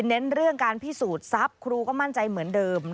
เน้นเรื่องการพิสูจน์ทรัพย์ครูก็มั่นใจเหมือนเดิม